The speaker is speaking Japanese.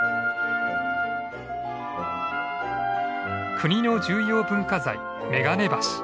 国の重要文化財めがね橋。